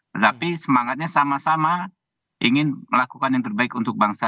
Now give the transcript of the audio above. tetapi semangatnya sama sama ingin melakukan yang terbaik untuk bangsa